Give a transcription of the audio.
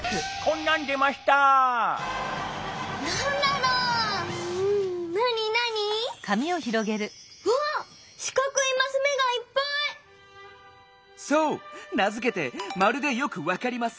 なづけて「まるでよくわかりマス」。